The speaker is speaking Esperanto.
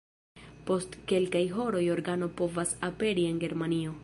Post kelkaj horoj organo povas aperi en Germanio.